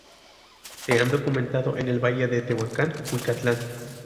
Se ha documentado en el Valle de Tehuacán-Cuicatlán.